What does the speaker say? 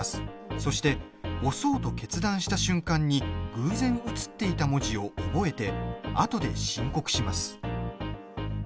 そして、押そうと決断した瞬間に偶然映っていた文字を覚えてあとで申告します。